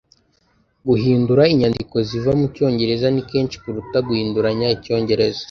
Guhindura inyandiko ziva mucyongereza ni kenshi kuruta guhinduranya icyongereza. .